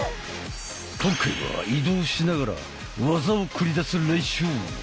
今回は移動しながら技を繰り出す練習！